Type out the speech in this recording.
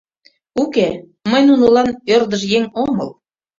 Уке, мый нунылан ӧрдыж еҥ омыл.